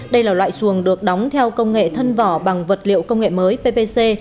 đây là loại chuồng được đóng theo công nghệ thân vỏ bằng vật liệu công nghệ mới ppc